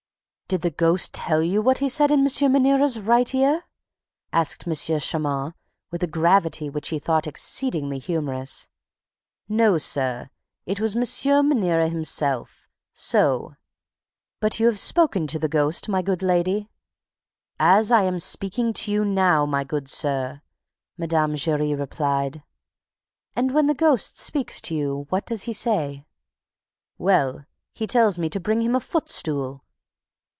"Did the ghost tell you what he said in M. Maniera's right ear?" asked M. Moncharmin, with a gravity which he thought exceedingly humorous. "No, sir, it was M. Maniera himself. So " "But you have spoken to the ghost, my good lady?" "As I'm speaking to you now, my good sir!" Mme. Giry replied. "And, when the ghost speaks to you, what does he say?" "Well, he tells me to bring him a footstool!"